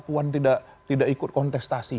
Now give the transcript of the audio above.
puan tidak ikut kontestasi